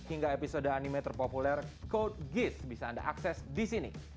hingga episode anime terpopuler code geass bisa anda akses di sini